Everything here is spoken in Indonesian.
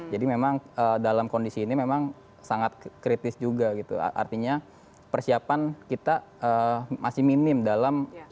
jadi memang dalam kondisi ini memang sangat kritis juga gitu artinya persiapan kita masih minim dalam keadaan